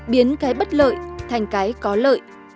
biến cái bất lợi thành cái có lợi